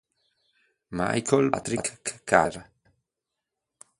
Michael Patrick Carter